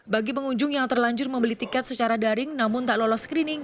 bagi pengunjung yang terlanjur membeli tiket secara daring namun tak lolos screening